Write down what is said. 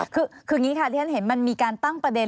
คืออย่างนี้ค่ะที่ฉันเห็นมันมีการตั้งประเด็น